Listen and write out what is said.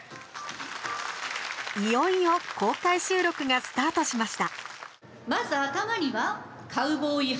いよいよ公開収録がスタートしました。